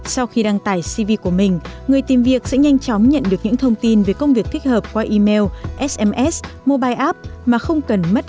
sau khi đăng tải cv của mình người tìm việc sẽ nhanh chóng nhận được những thông tin về công việc thích hợp qua email sms mobile app